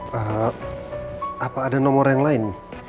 pak apa ada nomor yang lain